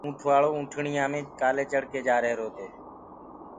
اونٺ وآݪواونٺڻييآ مي ڪآلي چڙه ڪي جآ ريهرو تو